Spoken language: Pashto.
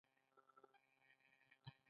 مسافرين هندوستان ته د خوارۍ مزدورۍ لپاره تلل.